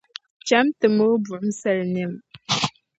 Chama nti mooi buɣimsal’ nɛma.